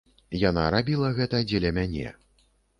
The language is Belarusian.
Яна рабіла гэта дзеля мяне.